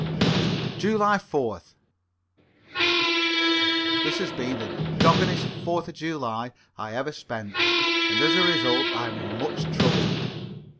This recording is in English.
July 4th. This has been the doggonest Fourth of July I ever spent, and as a result I am in much trouble.